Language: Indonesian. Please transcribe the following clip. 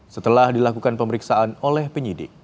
setelah dilakukan pemeriksaan oleh penyidik